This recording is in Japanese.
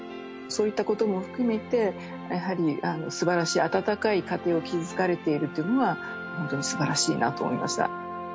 そういったことも含めてやはりすばらしい温かい家庭を築かれているというのは本当にすばらしいなと思いました。